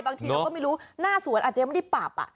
บางทีเราก็ไม่รู้หน้าสวนอาจจะไม่ได้ปรับ